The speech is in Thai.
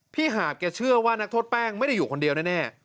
หาบแกเชื่อว่านักโทษแป้งไม่ได้อยู่คนเดียวแน่